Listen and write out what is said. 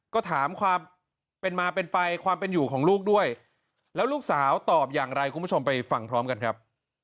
ก็ถามความเป็นมาเป็นไปความเป็นอยู่ของลูกด้วยแล้วลูกสาวตอบอย่างไรคุณผู้ชมไปฟังพร้อมกันครับ